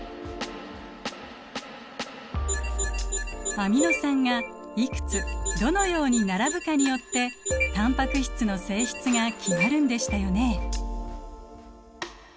アミノ酸がいくつどのように並ぶかによってタンパク質の性質が決まるんでしたよね。